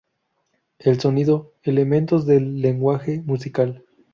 El sonido, elementos del lenguaje musical.